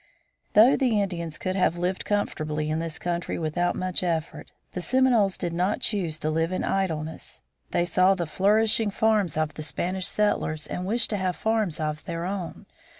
Though the Indians could have lived comfortably in this country without much effort, the Seminoles did not choose to live in idleness. They saw the flourishing farms of the Spanish settlers and wished to have farms of their own.